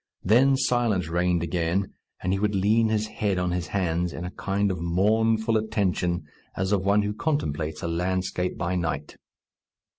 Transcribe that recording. Then silence reigned again, and he would lean his head on his hands, in a kind of mournful attention, as of one who contemplates a landscape by night.